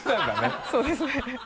あっそうですね。